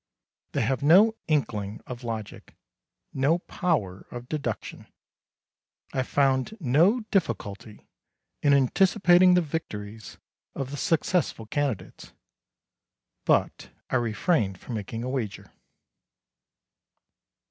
They have no inkling of logic: no power of deduction. I found no difficulty in anticipating the victories of the successful candidates, but I refrained from making a wager.